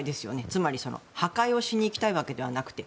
つまり、破壊をしに行きたいわけではなくて。